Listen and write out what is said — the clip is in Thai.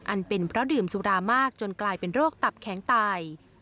อันเป็นเพราะดื่มสุรามากจนกลายเป็นโรคตับแข็งตาย